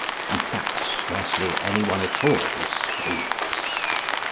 In fact, scarcely anyone at all escapes.